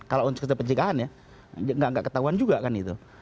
kalau untuk penyelenggaraan ya tidak ketahuan juga kan itu